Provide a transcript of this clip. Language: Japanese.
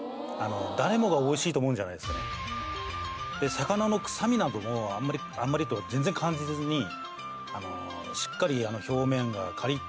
魚の臭みなどもあんまりあんまりというか全然感じずにしっかり。